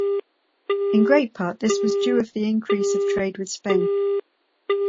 In great part this was due of the increase of trade with Spain.